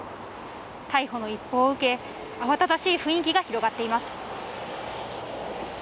逮捕の一報を受け、慌ただしい雰囲気が広がっています。